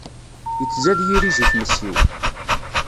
Ittzad yirij i tmes-iw.